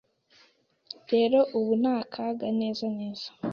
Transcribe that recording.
"Rero ubu ni akaga neza neza".